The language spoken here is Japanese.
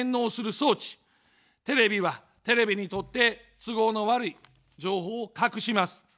テレビは、テレビにとって都合の悪い情報を隠します。